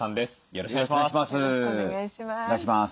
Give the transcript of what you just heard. よろしくお願いします。